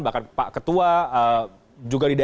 bahkan pak ketua juga di dalam